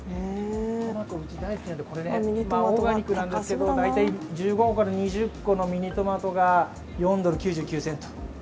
トマト、うちは大好きなのでオーガニックですけども大体１５個から２０個のトマトが４ドル９０セント。